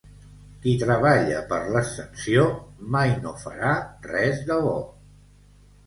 Qui treballa per l'Ascensió mai no farà res de bo.